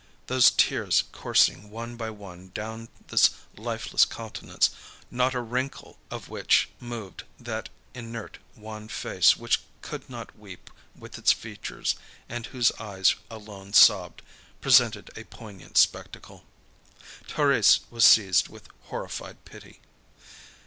Those tears coursing, one by one, down this lifeless countenance, not a wrinkle of which moved, that inert, wan face which could not weep with its features, and whose eyes alone sobbed, presented a poignant spectacle. Thérèse was seized with horrified pity.